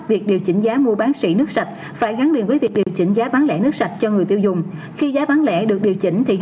việc điều chỉnh giá mua bán sỉ nước sạch phải gắn liền với việc điều chỉnh giá bán lẻ nước sạch